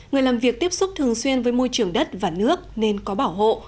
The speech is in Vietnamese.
người làm việc tiếp xúc thường xuyên với môi trường đất và nước nên có bảo hộ